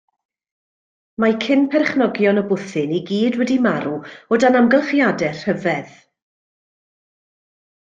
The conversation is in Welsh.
Mae cyn perchenogion y bwthyn i gyd wedi marw o dan amgylchiadau rhyfedd.